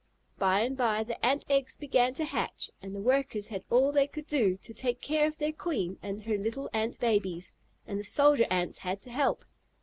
By and by the Ant eggs began to hatch, and the workers had all they could do to take care of their queen and her little Ant babies, and the soldier Ants had to help.